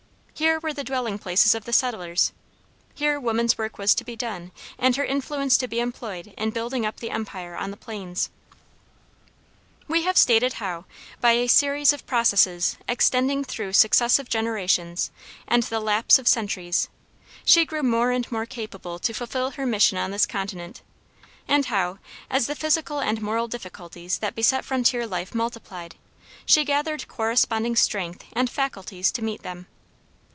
Here were the dwelling places of the settlers, here woman's work was to be done and her influence to be employed in building up the empire on the plains. We have stated how, by a series of processes extending through successive generations and the lapse of centuries, she grew more and more capable to fulfill her mission on this continent, and how, as the physical and moral difficulties that beset frontier life multiplied, she gathered corresponding strength and faculties to meet them.